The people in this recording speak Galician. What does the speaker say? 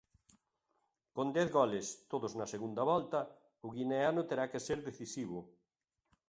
Con dez goles, todos na segunda volta, o guineano terá que ser decisivo.